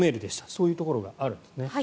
そういうところがあるんですね。